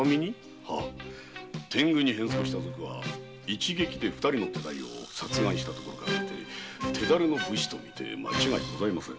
天狗に変装した賊は一撃で二人を殺害したことから腕が立つ武士とみて間違いございません。